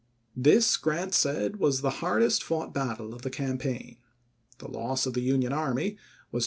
This, Grant said, was the hardest fought battle vphxxiv., °f the campaign. The loss of the Union army was Pp.